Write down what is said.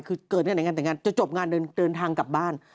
คือเกิดงานไหนงานแต่งงานจะจบงานเดินทางกลับบ้าน